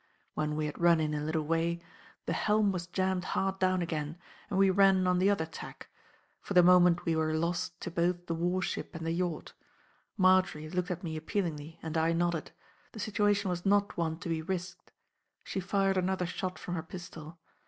When we had run in a little way the helm was jammed hard down again, and we ran on the other tack; for the moment we were lost to both the war ship and the yacht. Marjory looked at me appealingly and I nodded; the situation was not one to be risked. She fired another shot from her pistol.